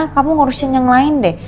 kamu ngurusin yang lain deh